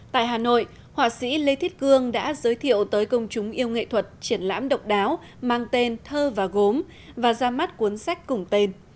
tại hà nội họa sĩ lê thiết cương đã giới thiệu tới công chúng yêu nghệ thuật triển lãm độc đáo mang tên thơ và gốm và ra mắt cuốn sách cùng tên